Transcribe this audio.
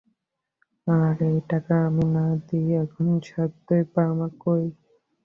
আর এই টাকা আমি না নিই এমন সাধ্যই বা আমার কই?